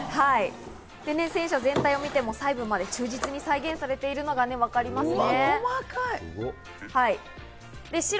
戦車全体を見ても、細部まで忠実に再現されているのがわかりますね。